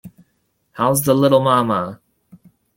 How's the little mamma?